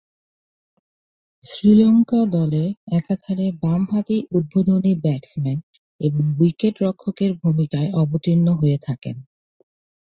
শ্রীলঙ্কা দলে একাধারে বামহাতি উদ্বোধনী ব্যাটসম্যান এবং উইকেট-রক্ষকের ভূমিকায় অবতীর্ণ হয়ে থাকেন।